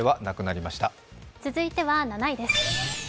続いては７位です。